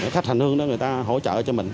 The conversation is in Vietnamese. khách hành hương đó người ta hỗ trợ cho mình